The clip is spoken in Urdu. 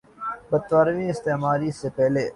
برطانوی استعماری سے پہلے